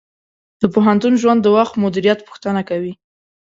د پوهنتون ژوند د وخت مدیریت غوښتنه کوي.